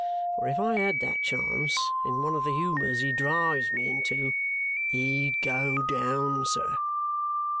For if I had that chance, in one of the humours he drives me into he'd go down, sir!"